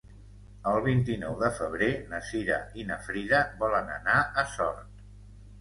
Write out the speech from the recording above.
El vint-i-nou de febrer na Cira i na Frida volen anar a Sort.